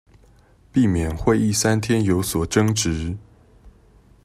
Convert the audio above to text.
避免會議三天有所爭執